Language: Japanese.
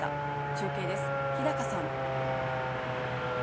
中継です、日高さん。